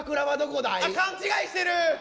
勘違いしてる！